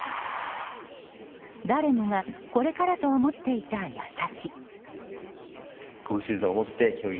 誰もがこれからと思っていた矢先。